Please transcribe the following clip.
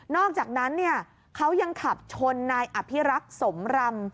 นอกจากนั้นเนี่ยเขายังขับชนนายอภิรักษ์สมรรรม